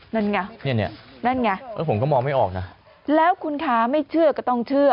นั่นไงเนี่ยนั่นไงผมก็มองไม่ออกนะแล้วคุณค้าไม่เชื่อก็ต้องเชื่อ